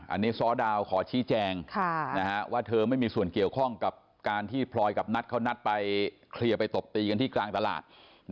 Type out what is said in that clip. อันนี้ซ้อดาวขอชี้แจงว่าเธอไม่มีส่วนเกี่ยวข้องกับการที่พลอยกับนัทเขานัดไปเคลียร์ไปตบตีกันที่กลางตลาด